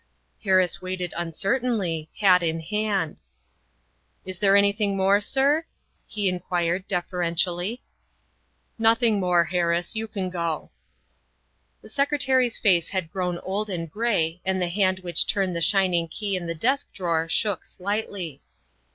Harris waited uncertainly, hat in hand. " Is there anything more, sir?" he inquired defer entially. " Nothing more, Harris. You can go." The Secretary's face had grown old and gray and THE SECRETARY OF STATE 185 the hand which turned the shining key in the desk drawer shook slightly.